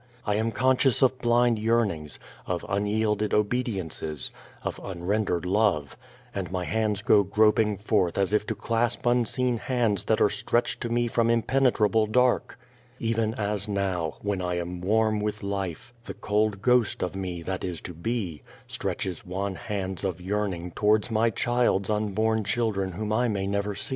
I am conscious of blind yearnings, of unyielded obediences, of unrendered love, and my hands go groping forth as if to clasp unseen hands that are stretched to me from impenetrable dark ; even as now, when I am warm with life, the cold ghost of me, that is to be, stretches wan hands of yearning towards my child's unborn chil dren whom I may never see.